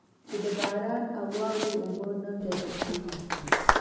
چې د باران او واورې اوبه نه جذب کېږي.